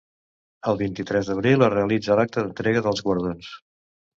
El vint-i-tres d'abril es realitza l'acte d'entrega dels guardons.